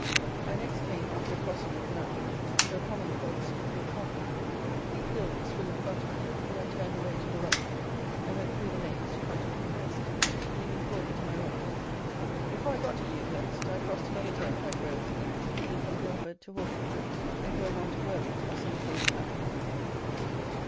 I next came, after crossing a canal, to a common called Smithwood Common. Leith Hill was full in front of me, but I turned away to the right, and went through the lanes to come to Ewhurst, leaving Crawley to my right. Before I got to Ewhurst, I crossed another turnpike road, leading from Guildford to Horsham, and going on to Worthing or some of those towns.